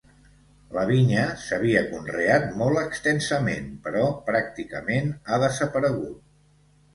La vinya s'havia conreat molt extensament, però pràcticament ha desaparegut.